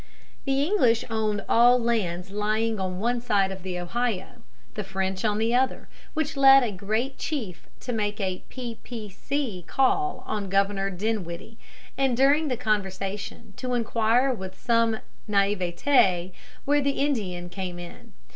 The English owned all lands lying on one side of the Ohio, the French on the other, which led a great chief to make a P. P. C. call on Governor Dinwiddie, and during the conversation to inquire with some naïveté where the Indian came in.